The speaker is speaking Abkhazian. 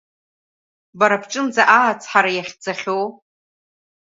Бара бҿынӡа аацҳара иахьӡахьоу?